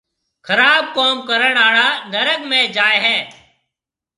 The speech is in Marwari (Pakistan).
خراب ڪوم ڪرڻ آݪا نرگ ۾ جائي هيَ۔